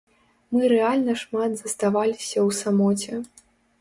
Мы рэальна шмат заставаліся ў самоце.